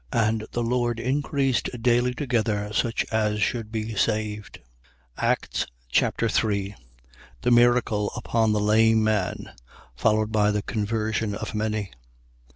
And the Lord increased daily together such as should be saved. Acts Chapter 3 The miracle upon the lame man, followed by the conversion of many.